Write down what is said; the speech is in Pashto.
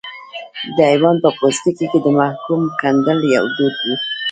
د حیوان په پوستکي کې د محکوم ګنډل یو دود و.